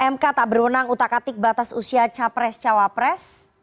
mk tak berwenang utakatik batas usia capres cawapres